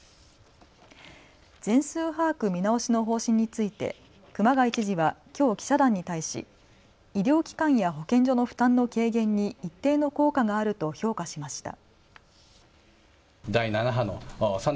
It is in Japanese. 全数把握見直しの方針について熊谷知事はきょう記者団に対し、医療機関や保健所の負担の軽減に一定の効果があると評価しました。